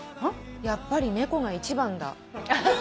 やっぱり猫が一番だ。